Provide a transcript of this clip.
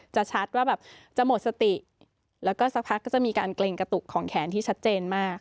ชัดว่าแบบจะหมดสติแล้วก็สักพักก็จะมีการเกร็งกระตุกของแขนที่ชัดเจนมาก